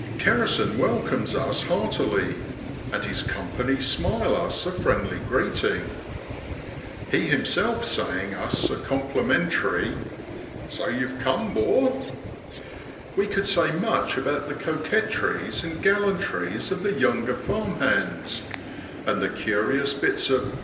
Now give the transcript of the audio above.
Kerrison welcomes us heartily, and his company smile us a friendly greeting, he himself saying us a complimentary <So you've come, 'bor! ' We could say much about the coquetries and gallantries of the younger farm hands, and the curious bits of 138 DECEMBER IN BROADLAND.